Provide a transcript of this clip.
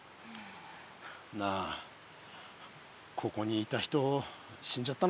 なあここにいた人死んじゃったのかな。